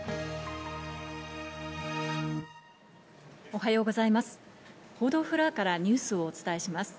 おはようございます。